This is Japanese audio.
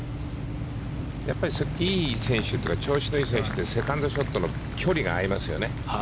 やっぱりいい選手は調子のいい選手というのはセカンドショットの距離が合いますよね。